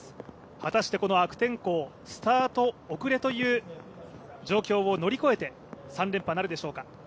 果たして悪天候の中、スタート遅れという状況を乗り越えて３連覇なるでしょうか